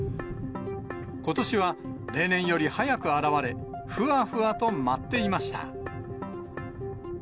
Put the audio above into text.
ことしは例年より早く現れ、ふわふわと舞っていました。